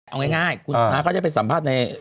เอาง่ายคุณน้าก็ได้ไปสัมภาษณ์ใน